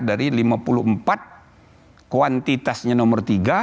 dari lima puluh empat kuantitasnya nomor tiga